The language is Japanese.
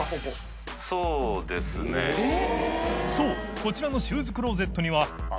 こちらのシューズクローゼットには△旅